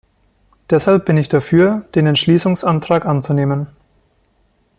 Deshalb bin ich dafür, den Entschließungsantrag anzunehmen.